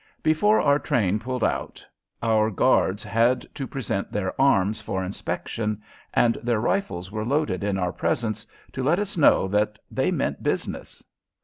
Before our train pulled out our guards had to present their arms for inspection, and their rifles were loaded in our presence to let us know that they meant business.